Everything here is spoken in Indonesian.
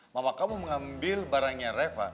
mama kamu mengambil barangnya reva